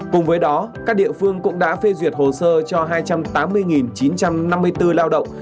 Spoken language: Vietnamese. cùng với đó các địa phương cũng đã phê duyệt hồ sơ cho hai trăm tám mươi chín trăm năm mươi bốn lao động